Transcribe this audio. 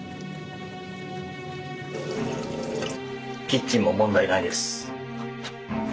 キッチンも問題ないです。